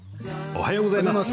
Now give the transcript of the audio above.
おはようございます。